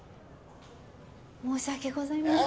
申し訳ございません。